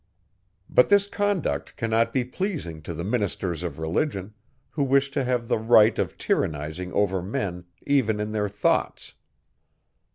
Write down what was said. But this conduct cannot be pleasing to the ministers of religion, who wish to have the right of tyrannizing over men even in their thoughts.